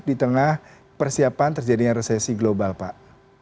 di tengah persiapan terjadinya resesi global pak